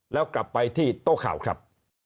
แล้วกลับไปที่โต๊ะข่าวครับ